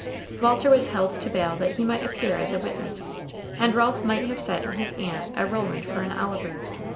Walter was held to bail that he might appear as a witness, and Ralph might have sent his aunt a Roland for an Oliver.